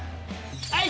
はい！